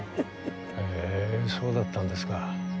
へえそうだったんですか。